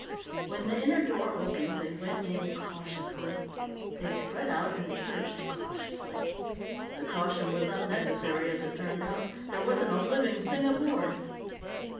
When the inner door opened, they went in cautiously. They spread out and searched cautiously. The caution was unnecessary, as it turned out. There wasn't a living thing aboard.